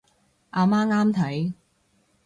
阿媽啱睇